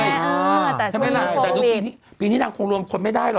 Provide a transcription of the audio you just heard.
อ่าแต่ไม่รักแต่ลูกปีนี้ปีนี้น้ำคงรวมคนไม่ได้หรอก